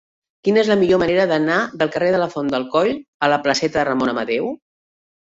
Quina és la millor manera d'anar del carrer de la Font del Coll a la placeta de Ramon Amadeu?